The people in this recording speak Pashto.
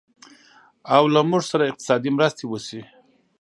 او له موږ سره اقتصادي مرستې وشي